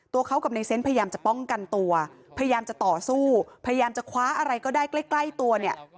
ตัวเขากับในเซนต์พยายามจะป้องกันตัวพยายามจะต่อสู้พยายามจะคว้าอะไรก็ได้ใกล้ใกล้ตัวเนี่ย